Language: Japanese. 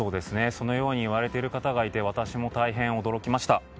そのように言われている方がいて私も大変、驚きました。